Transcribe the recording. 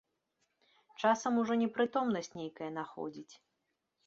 Часам ужо непрытомнасць нейкая находзіць.